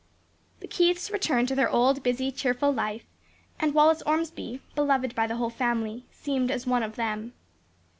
The Keiths returned to their old busy cheerful life, and Wallace Ormsby, beloved by the whole family, seemed as one of them.